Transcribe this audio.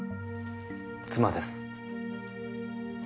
妻です。